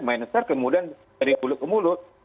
minder kemudian dari mulut ke mulut